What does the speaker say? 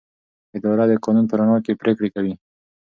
اداره د قانون په رڼا کې پریکړې کوي.